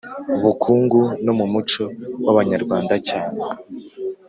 bukungu no mu muco w Abanyarwanda cyane